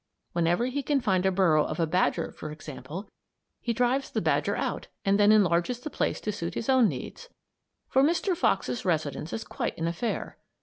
Whenever he can find a burrow of a badger, for example, he drives the badger out and then enlarges the place to suit his own needs. For Mr. Fox's residence is quite an affair.